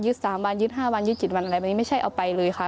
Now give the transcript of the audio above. ยึด๓วันยึด๕วันยึด๗วันไม่ใช่เอาไปเลยค่ะ